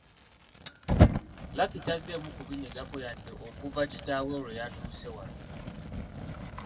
Lucky tazzeemu kubinyegako yadde okuva kitaawe lwe yatuuse wano.